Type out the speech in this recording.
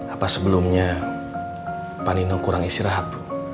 apa sebelumnya pak nino kurang istirahat